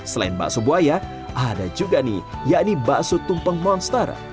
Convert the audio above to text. selain bakso buaya ada juga nih yakni bakso tumpeng monster